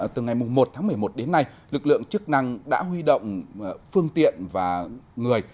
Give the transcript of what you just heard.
từ ngày một tháng một mươi một đến nay lực lượng chức năng đã huy động phương tiện và người